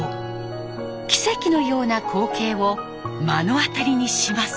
奇跡のような光景を目の当たりにします。